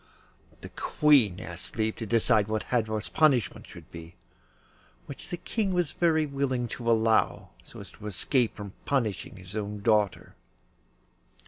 The Queen asked leave to decide what Hadvor's punishment should be, which the King was very willing to allow, so as to escape from punishing his own daughter.